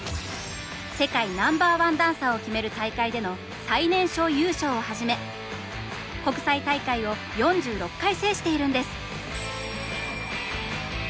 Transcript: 世界ナンバーワンダンサーを決める大会での最年少優勝をはじめ国際大会を４６回制しているんです。